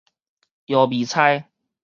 臆謎猜